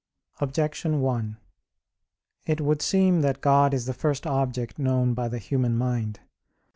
Objection 1: It would seem that God is the first object known by the human mind.